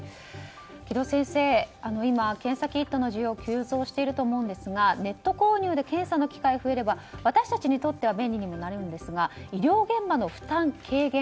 城戸先生、今検査キットの需要急増していると思うんですがネット購入で検査の機会が増えれば私たちにとっては便利にもなりますが医療現場の負担軽減